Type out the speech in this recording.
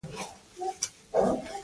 وطن زموږ د ټولنې قوت او ویاړ دی.